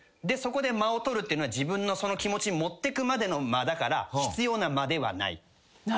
そこで間を取るっていうのは自分の気持ち持ってくまでの間だから必要な間ではない。